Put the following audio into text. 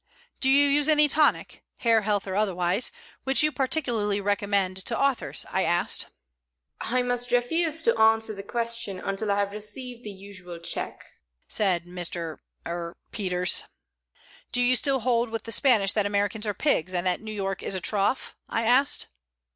"Do you use any tonic hair, health, or otherwise which you particularly recommend to authors?" I asked. "I must refuse to answer that question until I have received the usual check," said Mr. er Peters. "Do you still hold with the Spanish that Americans are pigs, and that New York is a trough?" I asked.